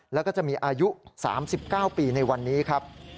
แล้วก็จะมีอายุ๓๙ปีในวันนี้ครับ